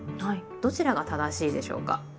どちらが正しいでしょうか？